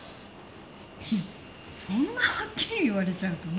そんなはっきり言われちゃうとね。